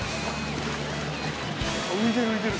浮いてる浮いてる。